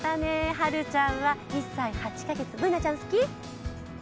はるちゃんは１歳８か月Ｂｏｏｎａちゃん好き？